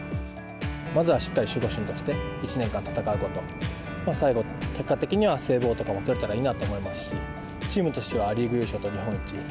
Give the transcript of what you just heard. まずはしっかり守護神として、１年間戦うこと、最後、結果的にはセーブ王とかもとれたらいいなと思いますし、チームとしてはリーグ優勝と日本一。